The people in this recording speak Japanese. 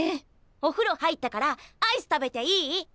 おふろ入ったからアイス食べていい？